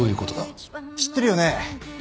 知ってるよね？